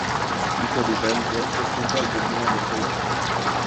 Hijo de Israel Bórquez Silva y Georgina Montero Chacón.